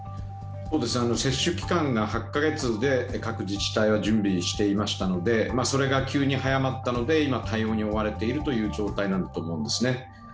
接種期間が８カ月で各自治体は準備していましたので、それが急に早まったので、今、対応に追われている状態なんだと思うんですね。